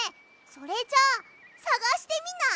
それじゃあさがしてみない？